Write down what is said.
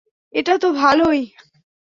এটা তো ভালোই।